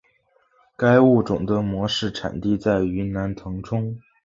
该物种的模式产地在云南腾冲。